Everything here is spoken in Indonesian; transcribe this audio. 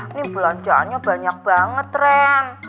ini belanjaannya banyak banget tren